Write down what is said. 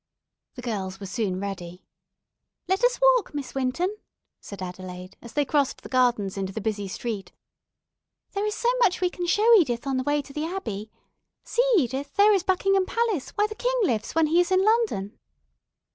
The girls were soon ready. "Let us walk, Miss Winton," said Adelaide, as they crossed the gardens into the busy street. "There is so much we can show Edith on the way to the Abbey. See, Edith, there is Buckingham Palace, where the king lives when he is in London."